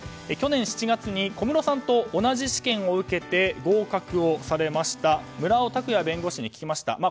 去年７月に小室さんと同じ試験を受けて合格をされた村尾卓哉弁護士に聞きました。